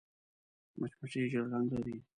مچمچۍ ژیړ رنګ لري